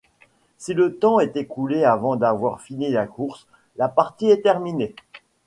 Si le temps est écoulé avant d'avoir fini la course, la partie est terminée.